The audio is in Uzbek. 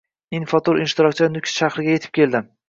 Info-tur ishtirokchilari Nukus shahriga yetib keldi